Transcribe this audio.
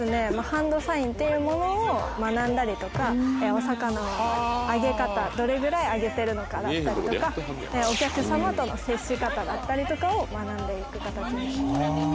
ハンドサインっていうものを学んだりとかお魚のあげ方どれぐらいあげてるのかだったりとかお客様との接し方だったりとかを学んでいく形になります。